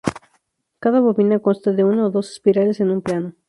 Cada bobina consta de uno o dos espirales en un plano.